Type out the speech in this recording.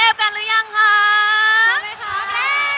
ปันฺลังสาววร